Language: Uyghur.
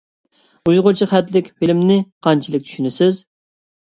ئۇيغۇرچە خەتلىك فىلىمنى قانچىلىك چۈشىنىسىز؟